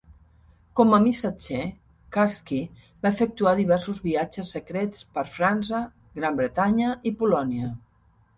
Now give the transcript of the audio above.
Com a missatger, Karski va efectuar diversos viatges secrets per França, Gran Bretanya i Polònia.